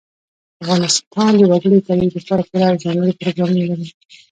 افغانستان د وګړي د ترویج لپاره پوره او ځانګړي پروګرامونه لري.